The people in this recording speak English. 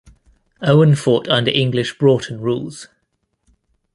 Owen fought under English Broughton rules.